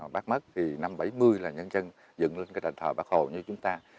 bác mất thì năm bảy mươi là nhân dân dựng lên cái đền thờ bắc hồ như chúng ta